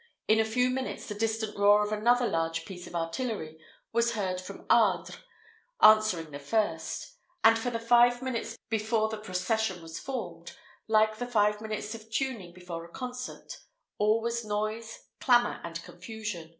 In a few minutes the distant roar of another large piece of artillery was heard from Ardres, answering the first; and for the five minutes before the procession was formed, like the five minutes of tuning before a concert, all was noise, clamour, and confusion.